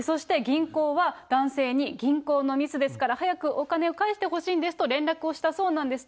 そして銀行は男性に、銀行のミスですから、早くお金を返してほしいんですと連絡をしたそうなんです。